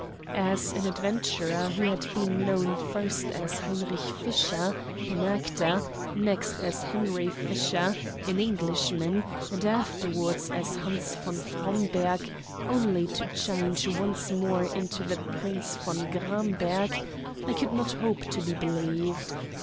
As an adventurer who had been known first as Heinrich Fischer, an actor, next as Henry Fisher, an Englishman, and afterward as Hans von Fromberg, only to change once more into the Prince von Gramberg, I could not hope to be believed.